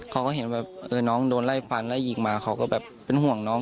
เขาก็เห็นแบบน้องโดนไล่ฟันไล่ยิงมาเขาก็แบบเป็นห่วงน้อง